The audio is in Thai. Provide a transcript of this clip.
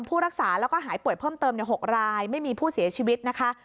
ผู้รักษาแล้วก็หายป่วยเพิ่มเติม๖รายไม่มีผู้เสียชีวิตนะคะ